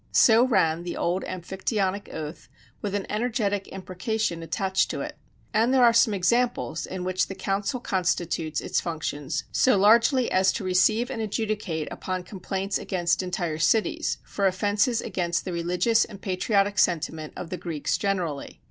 So ran the old Amphictyonic oath, with an energetic imprecation attached to it. And there are some examples in which the council constitutes its functions so largely as to receive and adjudicate upon complaints against entire cities, for offences against the religious and patriotic sentiment of the Greeks generally.